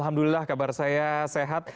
alhamdulillah kabar saya sehat